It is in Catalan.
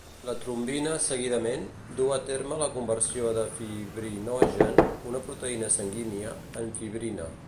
La trombina seguidament, duu a terme la conversió de fibrinogen, una proteïna sanguínia, en fibrina.